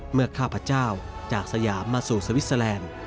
เมื่อกาผัชเจ้าจากสยามาสู่สวิทยุคแสลนด์